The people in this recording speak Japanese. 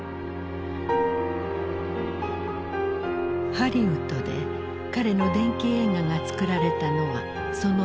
ハリウッドで彼の伝記映画が作られたのはその４年後。